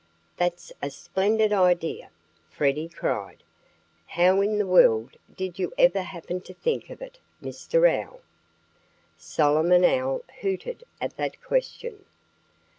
"That's a splendid idea!" Freddie cried. "How in the world did you ever happen to think of it, Mr. Owl?" Solomon Owl hooted at that question.